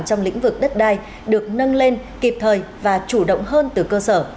trong lĩnh vực đất đai được nâng lên kịp thời và chủ động hơn từ cơ sở